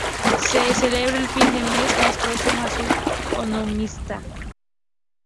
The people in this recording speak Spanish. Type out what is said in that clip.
Se celebra el fin de semana más próximo a su onomástica.